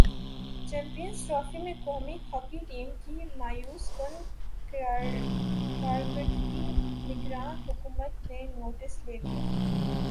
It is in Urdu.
چیمپینز ٹرافی میں قومی ہاکی ٹیم کی مایوس کن کارکردگی نگران حکومت نے نوٹس لے لیا